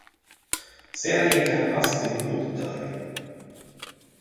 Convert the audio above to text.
Sedan gick han hastigt mot dörren.